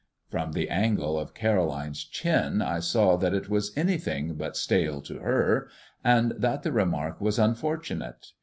From the angle of Caroline's chin I saw that it was anything but stale to her, and that the remark was unfortunate.